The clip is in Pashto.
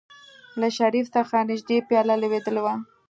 له شريف څخه نژدې پياله لوېدلې وه.